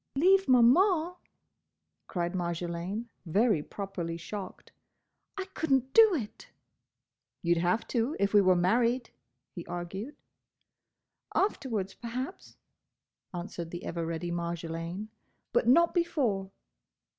"Leave Maman—!" cried Marjolaine, very properly shocked. "I could n't do it!" "You 'd have to if we were married," he argued. "Afterwards, perhaps," answered the ever ready Marjolaine, "but not before."